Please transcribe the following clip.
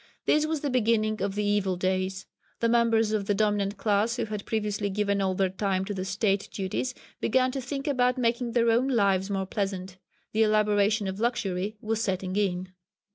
This was the beginning of the evil days. The members of the dominant class who had previously given all their time to the state duties began to think about making their own lives more pleasant. The elaboration of luxury was setting in.